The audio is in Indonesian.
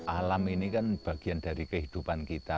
alam ini kan bagian dari kehidupan kita